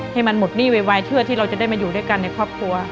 ให้มันหมดหนี้ไวเพื่อที่เราจะได้มาอยู่ด้วยกันในครอบครัว